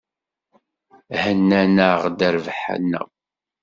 Hennan-aɣ-d rrbeḥ-nneɣ.